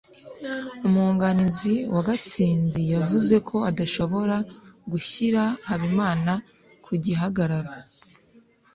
umwunganizi wa gatsinzi yavuze ko adashobora gushyira habimana ku gihagararo